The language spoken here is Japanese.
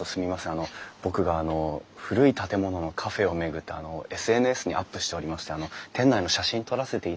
あの僕があの古い建物のカフェを巡ってＳＮＳにアップしておりまして店内の写真撮らせていただいてもよろしいですか？